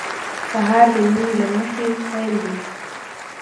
سهار د مینې له مخې پیل دی.